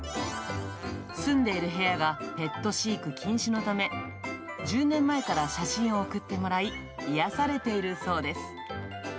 住んでいる部屋がペット飼育禁止のため、１０年前から写真を送ってもらい、癒やされているそうです。